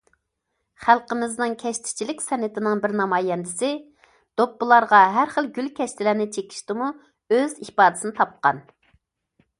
خەلقىمىزنىڭ كەشتىچىلىك سەنئىتىنىڭ بىر نامايەندىسى- دوپپىلارغا ھەر خىل گۈل- كەشتىلەرنى چېكىشتىمۇ ئۆز ئىپادىسىنى تاپقان.